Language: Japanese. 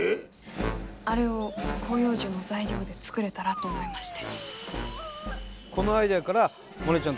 あれを広葉樹の材料で作れたらと思いまして。